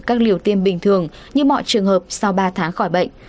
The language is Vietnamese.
các liều tiêm bình thường như mọi trường hợp sau ba tháng khỏi bệnh